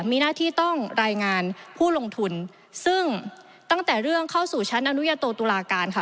มีหน้าที่ต้องรายงานผู้ลงทุนซึ่งตั้งแต่เรื่องเข้าสู่ชั้นอนุญาโตตุลาการค่ะ